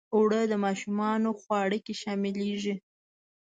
اوړه د ماشومانو خواړه کې شاملیږي